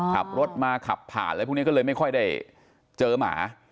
ขับรถมาขับผ่านอะไรพวกนี้ก็เลยไม่ค่อยได้เจอหมา